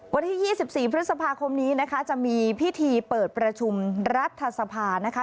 วันที่๒๔พฤษภาคมนี้นะคะจะมีพิธีเปิดประชุมรัฐสภานะคะ